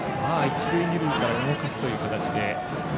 一塁二塁から動かすという形で。